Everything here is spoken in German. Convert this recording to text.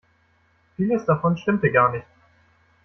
Vieles davon stimmte gar nicht.